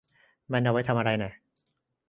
มันเอาไว้ทำอะไรน่ะ